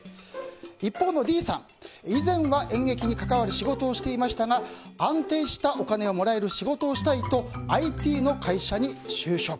一方のＤさん、以前は演劇に関わる仕事をしていましたが安定したお金がもらえる仕事がしたいとＩＴの会社に就職。